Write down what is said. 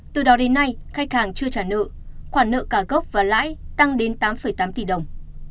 từ đó đến nay khách hàng chưa trả nợ khoản nợ cả gốc và lãi tăng đến tám tám tỷ đồng